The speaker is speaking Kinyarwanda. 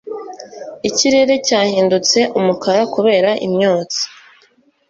ikirere cyahindutse umukara kubera imyotsi